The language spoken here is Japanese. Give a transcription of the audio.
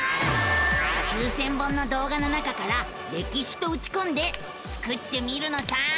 ９，０００本の動画の中から「歴史」とうちこんでスクってみるのさ！